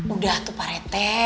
udah tuh pak rt